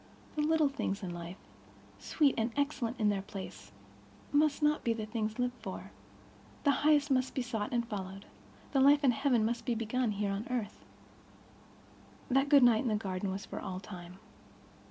The little things of life, sweet and excellent in their place, must not be the things lived for; the highest must be sought and followed; the life of heaven must be begun here on earth. That good night in the garden was for all time.